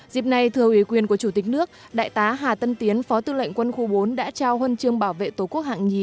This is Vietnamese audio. dịp này thưa ủy quyền của chủ tịch nước đại tá hà tân tiến phó tư lệnh quân khu bốn đã trao huân chương bảo vệ tổ quốc hạng nhì